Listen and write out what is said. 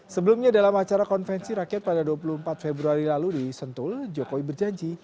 sebelumnya dalam acara konvensi rakyat pada dua puluh empat februari lalu di sentul jokowi berjanji